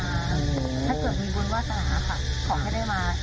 ถ้าเกิดมีบุญวาสนาค่ะของไม่ได้มา